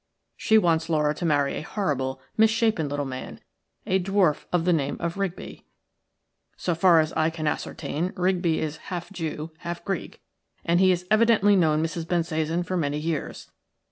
She wants Laura to marry a horrible, misshapen little man – a dwarf of the name of Rigby. So far as I can ascertain Rigby is half Jew, half Greek, and he has evidently known Mrs. Bensasan for many years.